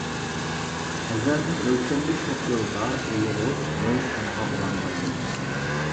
ئەزەلدىن ئۆلچەملىك توك يولىدا ئۇلىغۇچ، نۆل سىمغا ئۇلانمايدۇ.